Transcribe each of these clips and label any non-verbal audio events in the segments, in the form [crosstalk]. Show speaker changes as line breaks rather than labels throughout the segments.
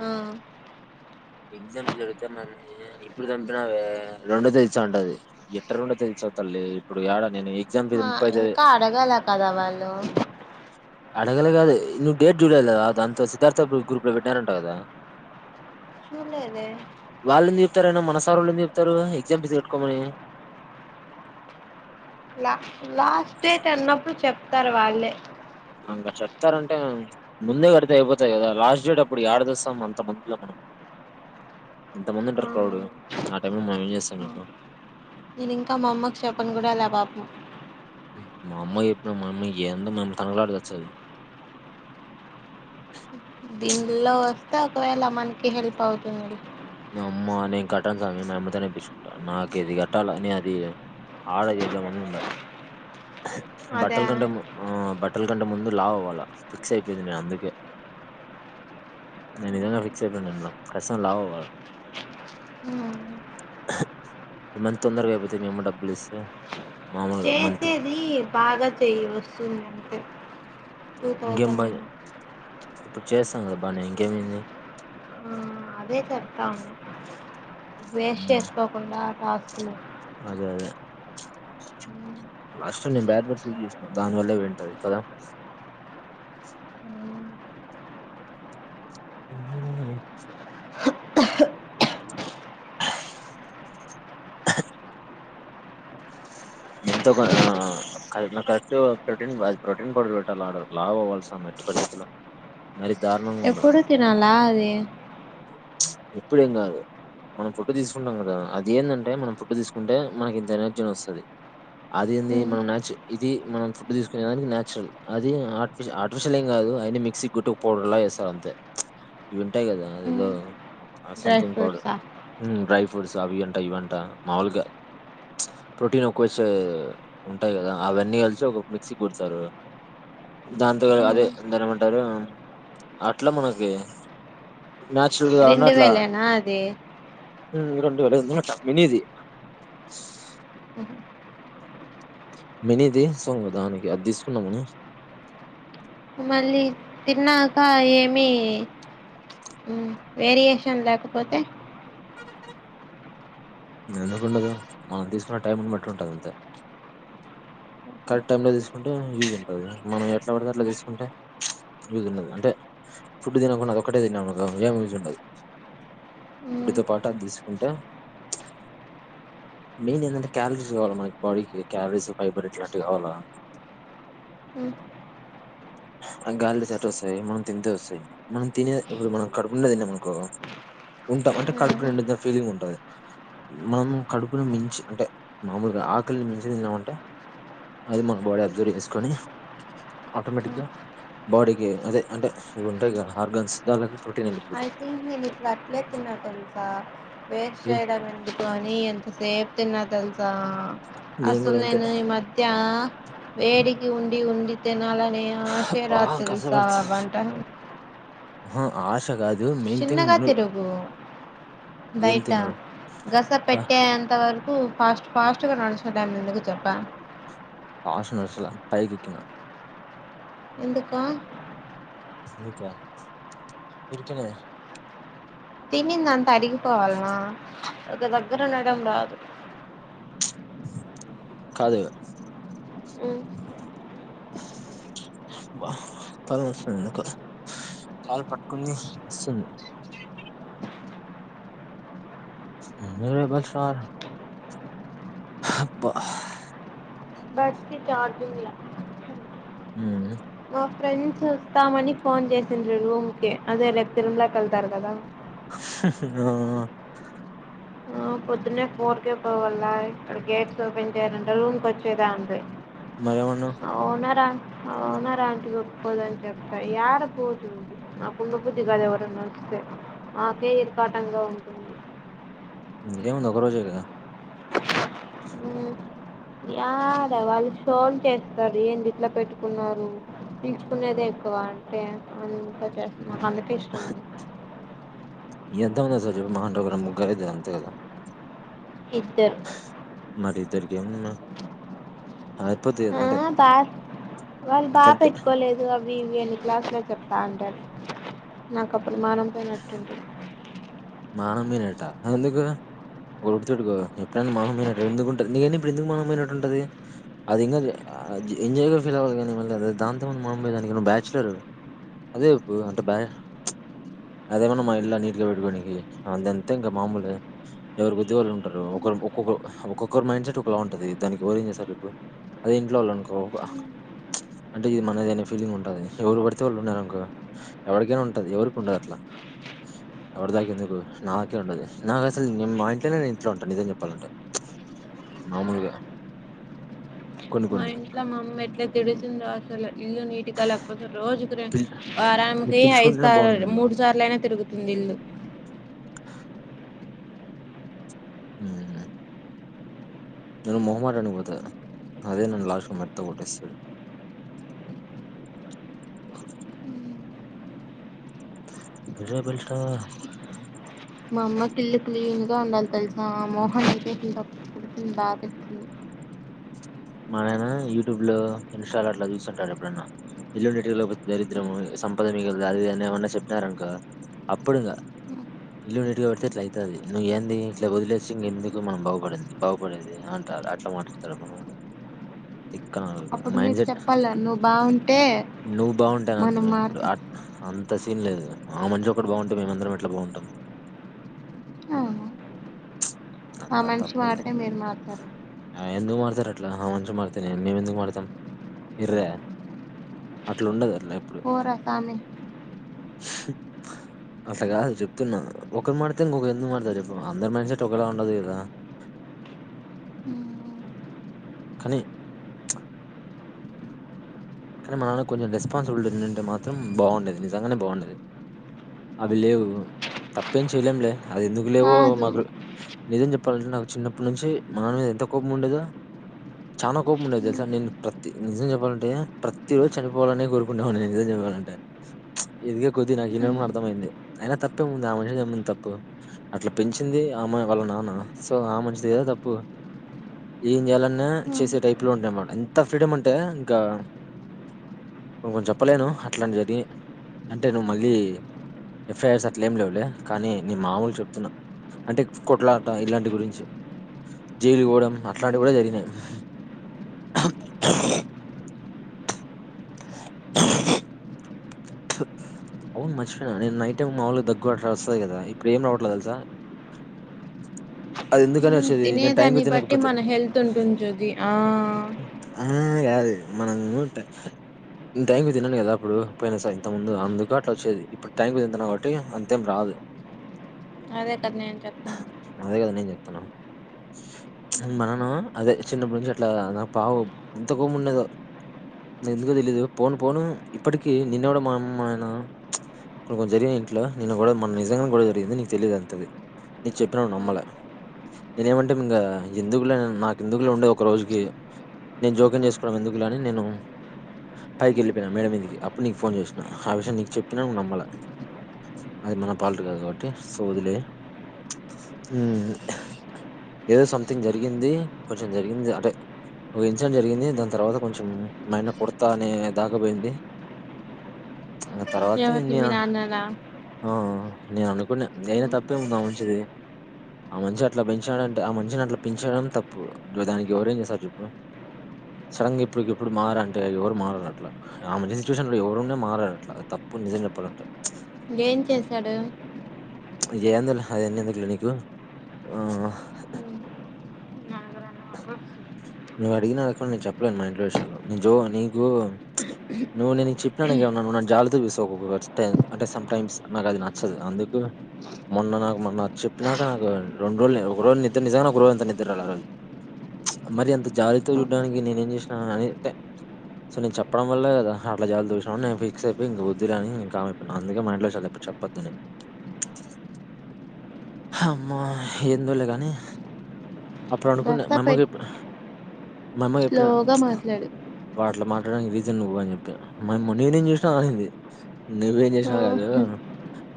ఆ
exam fees అడిగితే మా అమ్మ ఇప్పుడు చంపినవే రెండో తెది ఉంటది ఎట్ట రెండో ఇస్తావ్ తల్లి ఇప్పుడు యాడ నేను ఎగ్జామ్
ఆ
ఫీజు ముప్పై
ఇంకా అడగలా కదా వాళ్ళు
అడగలే కాదు నువ్వు డేట్ జూలై కదా దాంతో సిద్ధార్థ గ్రూప్ లో పెట్నరు కదా
చూడలేదే
వాళ్లు ఎందుకు చెప్తారు అయిన మన సార్ వాళ్ళు ఎందుకు చెప్తారు ఎగ్జామ్ ఫీస్ కట్టుకోమని
ల లాస్ట్ డేట్ అన్నప్పుడు చెప్తారు వాళ్ళే
ఇంకాచెప్తారంటే ముందే కడితే అయిపోతాయి కదా లాస్ట్ డేట్ అప్పుడు యాడతేస్తాం అంత మందిలో మనం ఎంతమంది
ఆ
ఉంటారు క్రౌడ్ ఆ టైమ్ లో మేం ఏం చేస్తాం చెప్పు
నేను ఇంకా మా అమ్మకి చెప్పను కూడ లే పాపం
మా అమ్మ కి చెప్పిన ఏందో మా అమ్మ తనకలిలాడి చస్తుంది
దీనిలో వస్తే ఒకవేళ మనకి హెల్ప్ అవుతుంది
అమ్మ నేను కట్టను స్వామి మా అమ్మతోనే ఇప్పించుకుంటాను నాకు ఇది కట్టాలి నేను అది ఆర్డర్ చేద్ద మనీ ఉండ
అదా
బట్టల్ కంటే ఆబట్టల్ కంటే ముందు లావు అవ్వాల ఫిక్స్ అయిపోయింది నేను అందుకే న నిజాంగా ఫిక్స్ అయిపోయ నీనా కచ్చితం గా లావు అవ్వాలా
హ్మ్
ఇమంత తొందరగా అయిపోతాయి మేమ డబ్బులు ఇస్తే మామూలుగా మంత్
చేసేది బాగా చెయి వస్తుంది అంతే టూ
ఇంకేం
థౌసండ్
బా
అ
ఇప్పుడు చేస్తాం కదా బానే ఇంకేమైంది
ఆ అదే చెప్తాము వేస్ట్
ఉమ్,
చేసుకోకుండా టాస్క్లు
అదే అదే లాస్ట్ నేను బ్యాడ్బర్ యూస్ చేసినా దాని వల్ల పోయి ఉంటది కదా హ్మ్ నింతో ఆ నా ఖర్చు ప్రోటీన్ ప్రోటీన్ పౌడర్ పెట్టాలడ లావు అవలసింధే పడుతులో
అ ఎప్పుడు తినాలా అది
ఎప్పుడు ఎం కాదు మనం ఫుట్టు తీసుకుంటాం కదా అది ఏంటంటే మనం ఫుట్టు తీసుకుంటే మనకి ఇంత ఎనర్జీని వస్తది అది ఏంది మనం ను ఇది మనం ఫుడ్ తీసుకునే దానికి నేచురల్ అది ఆర్టిఫల్ ఆర్టిఫిషియల్ ఏం కాదు అయిన మిక్సీ గుట్టుకు పౌడర్లా వేస్తారు అంతే ఇవి వింటాయి కదా ఇదో
డ్రై
సంథింగ్ పౌడర్
ఫ్రూట్సా
డ్రై ఫ్రూట్స్ అవి గంట ఇ వంట మాముూలుగా ప్రోటీన్ ఒకు వచ్చే ఉంటాయి కదా అవన్నీ కలిసి ఒకొ మిక్సీ కుడతారు దాంతో అదే
హ్మ్
ఎంతా ఏమంటారు అట్లా మనకి నాచురల్ గా
రెండు
ఉన్నట్లా
వేలేనా అది
వేయో రొండు వేలు ఉందటా మినీది మినది సోంగ దానికి అది తీసుకుండాము అని
మళ్ళీ తిన్నాక ఏమి మ్మ్ వేరియేషన్ లేకపోతే
ఎందుకుండదు మనం తీసుకున్న టైంని బట్టి ఉంటది అంతే కరెక్ట్ టైం లో తీసుకుంటే ఈజీ గా ఉంటుది మనం ఎట్లా పడితే అట్లా తీసుకుంటే యూజ్ ఉండదు అంటే ఫుడ్ తినకుండా అది ఒకక్కటే తిన్నాం అనుకో ఏం యూస్ ఉండదు
హ్మ్
ఇటితో పాటు తీసుకుంటే మెయిన్ ఏంటంటే క్యాలరీస్ కావాలి మనకి బాడీకి క్యాలరీస్ ఫైబర్ ఇటి కావాల
హ్మ్
ఆ గాలిలో చెట్టు వస్తాయి మనం తింటే వస్తాయి మనం తినే ఇప్పుడు మనం కడుపూ నిండా తినం అనుకో ఉంటాం అంటే
హ్మ్
కడుపు నిండింది అన్న ఫీలింగ్ ఉంటది మనం కడుపును మించి అంటే మామూలుగా ఆకలిని మించి తిన్నామంటే అది మన బాడీ అబ్జర్వ్ చేసుకొని ఆటోమేటిక్
హ్మ్.
గా బాడీకి అదే అంటే ఇవి ఉంటాయి హార్గన్స్ దానిలోకి ప్రో
ఐ థింక్ నేను ఇప్పుడు అట్లే తిన్నా తెలుసా వేస్ట్
ఏం-
చేయడం ఎందుక అని ఎ సేపు తిన్నా తెలుసా అసలు
కూడా అంతే
నేను ఈ మధ్య వేడికి ఉండి వండి తినాలని ఆశే
అబ్బా
రాదు తెల్సా ఆ వంట
ఆ ఆశ కాదు మెయిన్ థింగ్
చిన్నగా
ను
తిరుగు
ఏం
బయట
తినాలో
గస
కా
పెట్టే అంత వరకు ఫాస్ట్ ఫాస్ట్ గా నడుచుకూనే టైం లో ఎందుకు చెప్పా
ఆయాసం వస్తుది పైకిఎక్కిన
ఎందుకా
ఎందుకా ఊరికెనే
తినింది అంతా అరిగిపోవాలనా ఒక దగ్గర ఉండడం రాదు
కాదు వా హ్ తలనొస్తుంది ఎందుకో కాల్ పట్టుకుని వస్తుంది [unintelligible] అబ్బా
సెల్ కి చార్జింగ్ ల
మ్ హు
మా ఫ్రెండ్స్ వస్తామని ఫోన్ చేసిండ్రు రూమ్ కి అదే రేపు తిరుమల కి వెళ్తారు కదా
హా హా ఆ
ఆ పొద్దున్నే ఫోర్కే పోవాల ఇక్కడ గేట్స్ ఓపెన్ చేయరుఅంట రూమ్ కి వచ్చేదా అంది
మరేమన్నావ్
అవునా రా మా ఓనర్ ఆంటీ ఒప్పుకోదు అని చెప్పా యాడ పోతుంది నాకు ఉండబుద్ధి కాదు ఎవరన్నా ఉంటే ఆ నాకే ఇరకాటంగా ఉంటుంది
ఏముంది ఒక రోజే కదా
మ్ యాడ వాళ్ళు షోలు చేస్తారు ఏంది ఇట్లా పెట్టుకున్నారు పిల్చుకునేద ఎక్కువ ఎక్కువ అంటే అంతా చేస్తున్నా అందుకే ఇష్టం ఉండదు
ఎంతమంది వస్తారు చెప్పు మహా అంటే ఒక ముగ్గురైతారు అంతేకదా
ఇద్దరు
మన ఇద్దరికీ ఏమన్నా ఆ
ఆ బా వాళ్ళు
కరెక్ట్
బాపెట్టుకోలేదు అవి ఇవి ఎన్ని క్లాసులు చేప్తా ఉంటారు నాకు అప్పుడు మానం పోయినట్టు ఉంటుంది
మానం పోయినట్టా ఎందుకు ఒకటి అడుగుతా ఎప్పుడైనా మానం పోయినట్టు ఎందుకుంటంది నీక ఇప్పుడు ఎందుకు మానం పోయినట్టు ఉంటది అది ఇంకా అది ఎంజాయ్ గ ఫిలవాలి కానీ మళ్ళీ అది దాంతో మానం పోయినట్టు దానికి మనం బ్యాచలర్ అదే ఇప్పు అంటే బా చ్ అదేమన్నా మా ఇల్లు ఆ నీట్ గా పెట్టుకోనికి అదంతే ఇంకా మాముూలె ఎవరి కొద్ది వాళ్ళు ఉంటారు ఒకరం ఒకరు ఒక్కొక్కరు ఒక్కొక్కరు మైండ్ సెట్ ఒకలా ఉంటది దానికి ఎవరు ఏం చేస్తారు చెప్పు అదే ఇంట్లో వాళ్ళు అనుకో చ్ అంటే ఇది మనదనే ఫీలింగ్ ఉంటది ఎవరు పడితే వాళ్ళు ఉన్నారనుకో ఎవరికైనా ఉంటది ఎవరికి ఉండదు అట్లా
[inaudible]
ఎవరి దాక ఎందుకు నాకే ఉంటది నాకు అసలు నేను మా ఇంట్లోనే నేను ఇంట్లో ఉంటాను నిజం చెప్పాలంటే మామూలుగా కొన్ని
మా
కొన్ని
ఇంట్లో మా అమ్మ ఎట్లా తిడుతుందో అసలు ఇల్లు నీట్ గా లేకపోతే రోజుకు రెండు
పిల్ నువ్వు
వారానికి ఐదు
పిలుచుకుంటేనే
సార్లు
బాగుండు
మూడు సార్లుయినా తిరుగుతుంది ఇల్లు
హుమ్ నేను మొహమాటానికి పోతా అదే నన్ను లాస్ట్ మెట్టుతో కొట్టిస్తాది
[unintelligible]
ఇదే బెల్టా
మా అమ్మ కి ఇల్లు క్లీన్ గా ఉండాలి తెలుసా మోహన్ కి అయితే బాగా తిడుతుంది [inaudible]
మా నాయన యూట్యూబ్ లో ఇన్స్టా అట్లా చూస్తుంటారు ఎప్పుడన్నా ఇల్లు నీటుగా లేకపోతే దరిద్రం అని సంపద మిగలదు అది ఇది ఏమన్నా చెప్పినారనుకొ అప్పుడు ఇంకా ఇల్లు నీట్ గా పడితే ఇట్లా అవుతాది నువ్వు ఏంది ఇలా వదిలేసి ఇంకెందుకు మనం బాగుపడింది బాగుపడేది అంట అట్లా మాట్త తిక్క
అప్పుడు
మైండ్
మీరు
సెట్
చెప్పాల నువ్వు బాగుంటే
నువ్వు బాగుంటాన అంత
మనం
ఇప్పుడు
మారుతాం
అంత అంత సీన్ లేదు ఆ మనిషి ఒకటి బాగుంటే మేమందరం ఎట్లా బాగుంటాం
ఆ
అంత
ఆ మనిషి
తప్పదు
మారితే మీరు మారుతారు
ఆ ఎందుకు మాట్లా అదారు అట్లా ఆ మనిషి మారితే నేను మేము ఎందుకు మారుతాం ఎర్ర అట్లా ఉండదు అట్లా ఎప్పుడు
పోరా సామి
అట్లా కాదు చెప్తున్నా ఒకరు మాడితే ఇంకొక ఎందుకు మడతారు చెప్పు అందరి మైండ్ సెట్ ఒకేలా ఉండదు కదా కానీ కానీ మా నాన్న కి కొంచం రెస్పాన్సిబిలిటీ ఉండింటే మాత్రం బాగుండేది నిజంగానే బాగుండేది అవి లేవు తప్పేం చెయలేంలే అది ఎందుకు లేవో
కాదు
మాకు నిజం చెప్ చెప్పాలంటే నాకు చిన్నప్పటి నుంచి మా నాన్న మీద ఎంత కోపం ఉండేదో చాలా కోపండేది తెలుసా నేను ప్రతి నిజం చెప్పాలంటే ప్రతి రోజు చనిపోవాలని కోరుకుంటా ఉంటి నేను నిజం చెప్పాలంటే ఎదిగే కొద్ది నాకు ఇనడుమ అర్థమైంది అయినా తప్పేముంది ఆ మనిషి ఏమ్ముంది తప్పు అట్లా పెంచింది అమ్మాయి వాళ్ళ నాన్న సో ఆ మనిషిదే కదా తప్పు ఏం చేయాలన్నా చేసే టైప్ లో ఉంటే అన్నమాట ఎంత ఫ్రీడమ్ అంటే ఇంకా ను కొంచం చెప్పలేను అట్లాంటి జరిగి అంటే నువ్వు మళ్ళీ ఎఫ్ఐఆర్స్ అట్ల ఏమి లేవులే కానీ నీ మామూలు చెప్తున్నా అంటే కొట్లాట ఇలాంటి గురించి జైలు పోవడం అట్లాంటివి కూడా జరిగినాయి కుక్కు స అవును మర్చిపోయినా నేను నైట్ టైం మామూలు దగ్గు అలా వస్తది కదా ఇప్పుడు ఏం రావట్లేదు తేలుసా అది ఎందుకని
మనం
వచ్చేది నేను టైంకి
తినేదాన్ని బట్టి
తినకపోతే
మన హెల్త్ ఉంటుంది చూది ఆ
యది మనము ట నేను టైం కి తినను కదా అప్పుడు పోయినా సారి ఇంత ముందు అందుకు అట్లా వచ్చేది ఇప్పుడు టైం తింటన్నా కాబట్టి అంతేం రాదు
అదే కదా నేను చెప్తాన
కఫ నేను చెప్తాన్న మా నాన్న అదే చిన్నప్పుడు నుంచి అట్లా నాకు పావో ఎంత కోపం ఉండేదో ఎందుకో తెలీదు పోను పోను ఇప్పటికి నిన్నెవడు మా అమ్మ మా నాయన కొన్ని కొన్ని జరిగినాయి ఇంట్లో నిన్న కూడా మొన్న నిజంగా గానే గొడవ జరిగింది నీ తెలిదు అంతది నీకు చెప్పిన నమ్మలా నేనేమంటే ఇంగా ఎందుకులే నాకు ఎందుకులే ఉండే ఒక రోజుకి నేను జోక్యం చేసుకోవడం ఎందుకులే అని నేను పైకి వెళ్ళిపోయినా మేడ మీదకి అప్పుడు నీకు ఫోన్ చేసిన ఆ విషయం నీకు చెప్పిన నువ్వు నమ్మలా అది మన పాలటి కాదు కాబట్టి సో వదిలేయ్ హ్మ్ ఏదో సంథింగ్ జరిగింది కొంచం జరిగింది అంటే ఒక ఇన్సిడెంట్ జరిగింది దాన్ తర్వాత కొంచం మాయన్న కొడ్తా అనే దాకపోయింది ఆ తర్వాతే
ఎవరిని మీ
నేను
నాన్నలా
ఆ నేను అనుకున్నా అయినా తప్పేముందా ఆ మనిషిది ఆ మనిషి అట్లా పెంచినాడంటే ఆ మనిషిని అట్లా పెంచడం తప్పు దానికి ఎవరేం చేస్తారు చెప్పు సడ గా ఇప్పుడుకి ఇప్పుడు మారు అంటే ఎవరు మారారు అట్లా ఆ మనిషి సిట్యుయేషన్ లో ఎవరున్నా మారారు అట్లా అది తప్ పు నిజం చెప్పాలంటే
ఏం చేశాడు
ఏందో లే అవి అన్ని ఎందుకు నీకు ఆ నువ్వు అడిగినా అడగకుండా నేను చెప్పలేను మా ఇంట్లో విషయాలు జో నీకు నువ్వు నేను చెప్పినాక ఏమన్నా నువ్వు నన్ను జాలితో చూస్తావ్ అంటే ఒక ఒక స్ట సమ్‌టైమ్స్ నాకు అది నచ్చదు అందుకు మొన్న నాకు మొన్న చెప్పినాక నాకు రెండు రోజు ఒక రోజు నిద్ర నిజంగానే ఒక రోజుంత నిద్ర రాలె ఆ రోజు మరి అంత జాలితో చూడడానికి నేను ఏం చేసినా అని సో నేను చెప్పడం వల్ల అట్లా జాలి చూసినవు నేను ఫిక్స్ అయి ఇంకా వద్దులే అని ఇంకా కామ్ అపోయిను అందుకే మా ఇంట్లో విషయాలుచెప్ప చెప్పొద్దని అమ్మో ఏందు లే కాని అప్పుడు అనుకున్న
దస్తా పెట్టి
మఅమ్మకిచేప్పు మా అమ్మకు చెప్పిన
స్లోగా మాట్లాడు
వాడు అట్లా మాట రిజన్ నువ్వు అని చెప్పి మఅమ్మ నేనేం చేసిన అనింది నువ్వేం చేసి
ఆ,
కాదు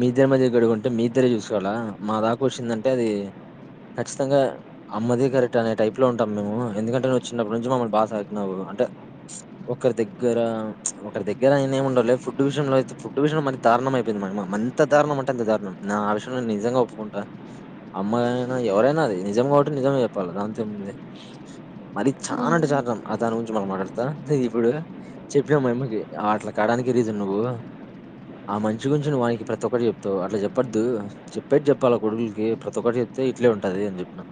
మీ దద్దరి మధ్య గొడవ ఉంటే మీ ఇద్దర చూసుకోవాలా మా దాకా వచ్చిందంటే అది ఖచ్చితంగా అమ్మది కరెక్ట్ అనే టైప్ లో ఉంటాం మేము ఎందుకంటే నువ్వు చిన్నప్పటి నుంచి మమ్మల్ని బాగ సాకినావు అంటే ఒకరి దగ్గర ఒకరి దగ్గర ఆయనేమి ఉండాలలే ఫుడ్ విషయంలోయితే ఫుడ్ విషంలో మరి దారుణం అయిపోంది మా అమ్మ అంత దారుణం అంట అంత దారుణం నా ఆ వి నిజంగా ఒప్పుకుంటా అమ్మాయియినా ఎవరైనా అది నిజం కాబట్టి నిజమే చెప్పాలి దానింతో ఏముంది
[unintelligible]
మరి చానా అంటే చాల రా ఆ దాని గురించి మం మాట్లాడతా ఇప్పుడు చెప్పినా మా అమ్మకి అట్లా కాడ కానికి రీజన్ నువ్వు ఆ మంచి గురించి నువ్వు వానికి ప్రతి ఒక్కటి చెప్తావు అట్లా చెప్పొద్దు చెప్పేది చెప్పాల కొడుకులకి ప్రతి ఒక్కటి చె అయితే ఇట్లే ఉంటది అని చెప్పినం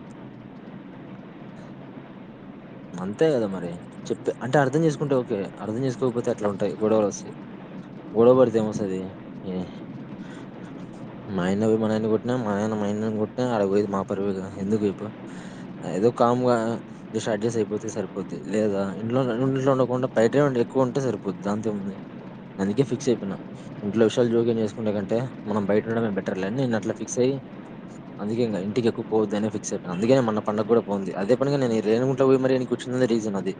అంతే కదా మరి చెప్పే అంటే అర్థం చేసుకుంటే ఓకే అర్థం చేసుకోకపోతే అట్లా ఉంటాయి గొడవలు వస్తేయి గొడవ పడితే ఏం వస్తది ఏ
[inaudible]
మా అన్న పోయి మా నాయన మా అన్నను కొట్టిన ఆడబోయేది మా పరవే కదా ఎందుకు చెప్పు అది ఏదో కామ్ గా జస్ అడ్జస్ట్ అయిపోతే సరిపోద్ది లేదా ఇంట్లో ఇంట్లో ఉండకుండా బయటే ఎక్కువ ఉంటే సరిపోద్ది దాంతోముంది అందుకే ఫిక్స్ అయిపోయిన ఇంట్లో విషయాలు జోక్యం చేసుకునే కంటే మనం బయట ఉండమే బెటర్ లే అని నేను అట్లా ఫిక్స్ అయ్యి అందుకె ఇంటికి ఎక్కువ పోవద్దు అని ఫిక్స్ అయిపోయిను అందుకే మన పండగ కూడా పోంది అదే పండగా నేను రేణుగుంట్లో పోయి మరి ఏనుకు వచ్చింది రీజన్ అది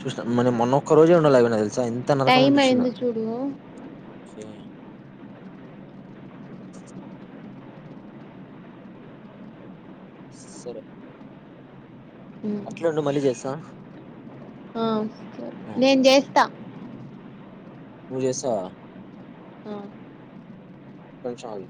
చూసా మన మొన్న ఒక్కరోజు ఉండాలి అది కూడా నాకు తెలుసు చా ఎంత నరకం
టైం
అనిపించిందో
అయింది
[inaudible]
చూడు
సరే అట్లే ఉండు మళ్ళీ చేస్తా
ఆ, సరే. నేను చేస్తా
నువ్వు చేస్తావా
ఆ.
ఒక నిమిషం ఆగు